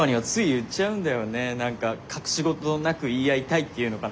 何か隠し事なく言い合いたいっていうのかな。